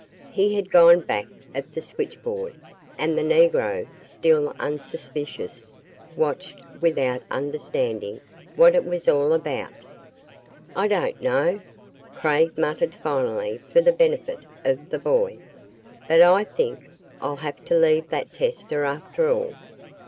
He had gone back of the switchboard and the Negro, still unsuspicious, watched without understanding what it was all about. "I don't know," Craig muttered finally for the benefit of the boy, "but I think I'll have to leave that tester after all.